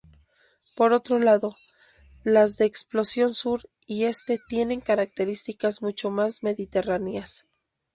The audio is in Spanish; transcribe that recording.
Por otro lado, las de exposición sur y este tienen características mucho más mediterráneas.